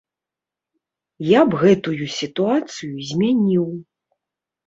Я б гэтую сітуацыю змяніў.